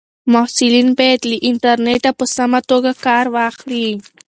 محصلین باید له انټرنیټه په سمه توګه کار واخلي.